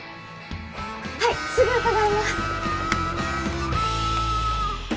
はいすぐ伺います